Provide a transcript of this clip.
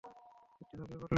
যুদ্ধে ঝাঁপিয়ে পড়লেন।